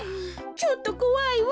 ちょっとこわいわ。